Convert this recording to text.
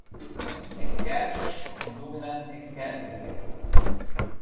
Experten sprechen vom sogenannten Experten-Effekt.